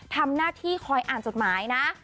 ทำหน้าที่คอยอ่านจดหมายนะ